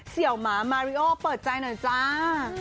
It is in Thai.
ี่ยวหมามาริโอเปิดใจหน่อยจ้า